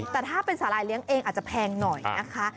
แต่ถ้าเป็นสาหร่ายเลี้ยงเองอาจจะแพงหน่อยนะคะ